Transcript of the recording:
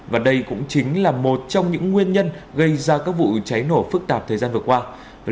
và đây cũng chính là một trong những nguyên nhân gây ra các vụ cháy nổ phức tạp thời gian vừa qua